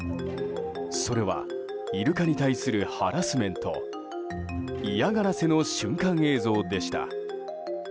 それはイルカに対するハラスメント嫌がらせの瞬間映像でした。